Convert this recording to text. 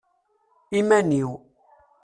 Iman-iw.